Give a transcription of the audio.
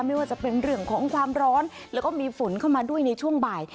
ไม่ว่าจะเป็นเรื่องของความร้อนแล้วก็มีฝนเข้ามาด้วยในช่วงบ่าย